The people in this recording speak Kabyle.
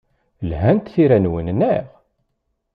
Lhant tira-nwen, naɣ?